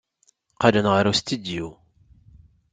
Qqlen ɣer ustidyu.